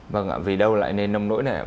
vâng ạ vì đâu lại nên nông nỗi này